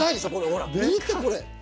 ほら見てこれ。